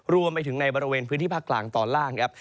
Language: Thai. รวมไปถึงในบริเวณพื้นที่ภาคกลางตอนล่างครับ